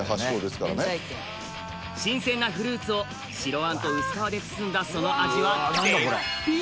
新鮮なフルーツを白あんと薄皮で包んだその味は絶品！